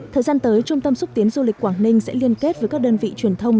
thời gian tới trung tâm xúc tiến du lịch quảng ninh sẽ liên kết với các đơn vị truyền thông